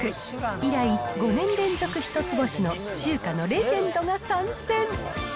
以来、５年連続一つ星の中華のレジェンドが参戦。